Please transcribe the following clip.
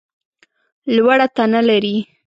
لوړه تنه لرې !